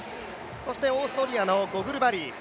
そしてオーストリアのゴグルバリ。